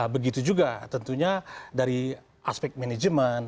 begitu juga tentunya dari aspek manajemen